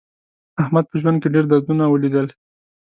احمد په ژوند کې ډېر دردونه ولیدل.